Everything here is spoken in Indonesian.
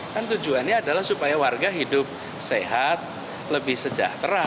kan tujuannya adalah supaya warga hidup sehat lebih sejahtera